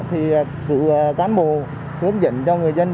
thì cựu cán bộ hướng dẫn cho người dân